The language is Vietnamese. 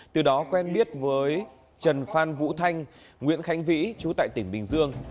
từ đó quen biết với trần phan vũ thanh nguyễn khánh vĩ chú tại tỉnh bình dương